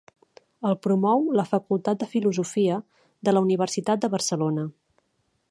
El promou la Facultat de Filosofia de la Universitat de Barcelona.